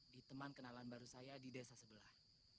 di teman kenalan baru saya di desa sebelah